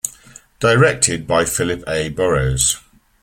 Directed by Philip A. Burrows.